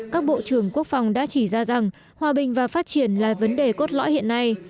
các bộ trưởng quốc phòng đã chỉ ra rằng hòa bình và phát triển là vấn đề cốt lõi hiện nay